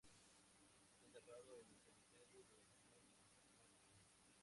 Está enterrado en el cementerio de Montmartre.